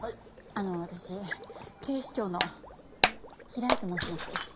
あの私警視庁の平井と申します。